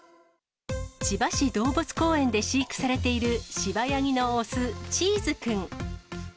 千葉市動物公園で飼育されている、シバヤギの雄、チーズくん。